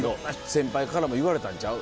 先輩からも言われたんちゃう？